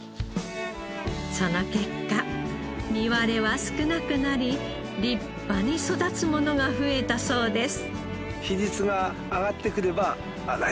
その結果実割れは少なくなり立派に育つものが増えたそうです。